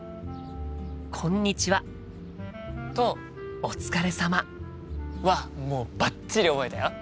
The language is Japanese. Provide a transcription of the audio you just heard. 「こんにちは」と「お疲れ様」はもうバッチリ覚えたよ。